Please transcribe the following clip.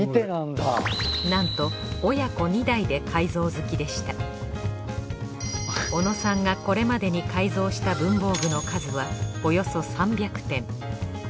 なんと小野さんがこれまでに改造した文房具の数はおよそ３００点。